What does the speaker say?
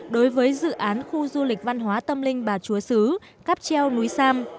đối với dự án khu du lịch văn hóa tâm linh bà chúa sứ cáp treo núi sam